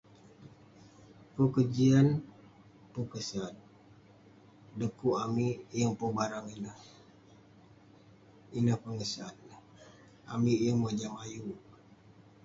Pun kejian, pun kesat. Dekuk amik yeng pun barang ineh, ineh pengesat neh. Amik yeng mojam ayuk.